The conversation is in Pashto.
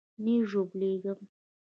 نه ژوبلېږم.